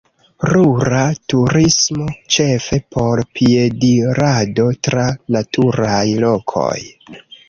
Rura turismo, ĉefe por piedirado tra naturaj lokoj.